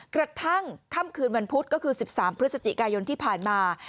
กระทั่งค่ำคืนวันพุธก็คือ๑๓พฤศจิกายนที่ผ่านมา